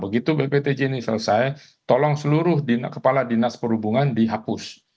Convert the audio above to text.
begitu bptj ini selesai tolong seluruh kepala dinas perhubungan dihapus